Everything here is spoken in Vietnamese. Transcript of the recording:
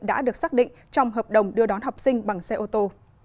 đã được xác định trong hợp đồng đưa đón học sinh bằng xe ô tô